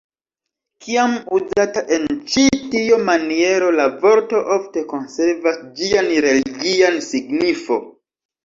Kiam uzata en ĉi tio maniero la vorto ofte konservas ĝian religian signifo.